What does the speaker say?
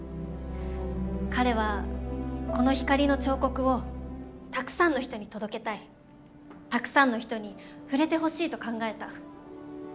彼はこの光の彫刻をたくさんの人に届けたいたくさんの人に触れてほしいと考えた。